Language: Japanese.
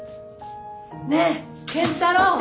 ねえ健太郎。